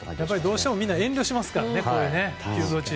どうしてもみんな遠慮しますからね。